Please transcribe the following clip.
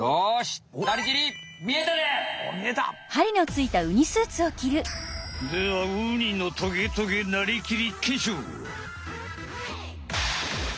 それではウニのトゲトゲになりきり！